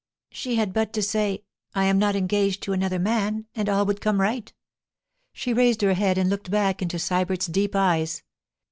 She had but to say, 'I am not engaged to another man,' and all would come right. She raised her head and looked back into Sybert's deep eyes.